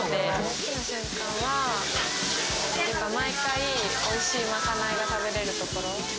好きな瞬間は毎回おいしいまかないが食べれるところ。